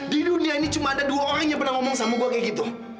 di dunia ini cuma ada dua orang yang pernah ngomong sama gue kayak gitu